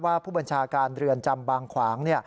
ผู้บัญชาการเรือนจำบางขวาง